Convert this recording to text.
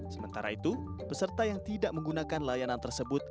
sementara itu peserta yang tidak menggunakan layanan tersebut